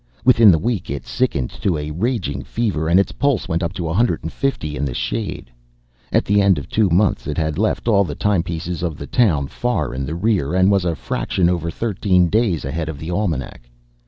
Within the week it sickened to a raging fever, and its pulse went up to a hundred and fifty in the shade. At the end of two months it had left all the timepieces of the town far in the rear, and was a fraction over thirteen days ahead of the almanac.